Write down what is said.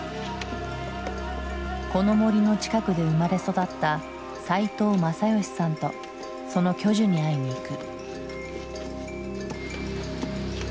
この森の近くで生まれ育った齋藤政美さんとその巨樹に会いに行く。